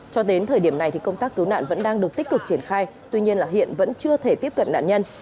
cho đến thời điểm này thì công tác cứu nạn vẫn đang được tích cực triển khai tuy nhiên hiện vẫn chưa thể tiếp cận nạn nhân